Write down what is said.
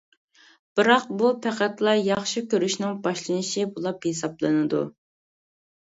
بىراق بۇ پەقەتلا ياخشى كۆرۈشنىڭ باشلىنىشى بولۇپ ھېسابلىنىدۇ.